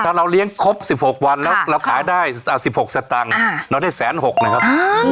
ถ้าเราเลี้ยงครบ๑๖วันแล้วขายได้๑๖สตังใช้ได้๑๐๖๐๐๐บาทนะครับ